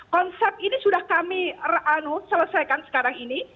konsep ini sudah kami selesaikan sekarang ini